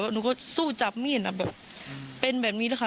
หนูก็สู้จับมีดแบบเป็นแบบนี้นะคะ